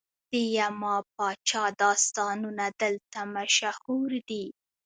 د یما پاچا داستانونه دلته مشهور دي